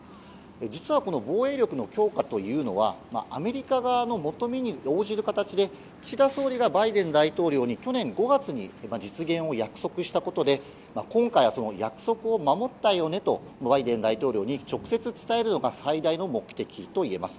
実はこの防衛力の強化というのはアメリカ側の求めに応じる形で岸田総理がバイデン大統領に去年５月に実現を約束したことで今回はその約束を守ったよねとバイデン大統領に直接伝えるのが最大の目的といえます。